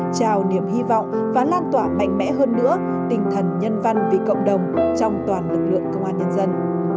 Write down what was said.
chào niềm hy vọng và lan tỏa mạnh mẽ hơn nữa tinh thần nhân văn vì cộng đồng trong toàn lực lượng công an nhân dân